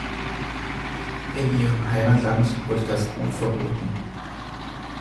In ihrem Heimatland wurde das Buch verboten.